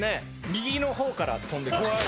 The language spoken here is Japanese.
右の方から跳んできました。